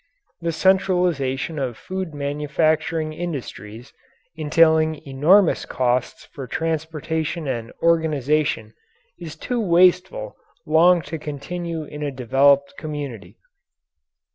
The centralization of food manufacturing industries, entailing enormous costs for transportation and organization, is too wasteful long to continue in a developed community.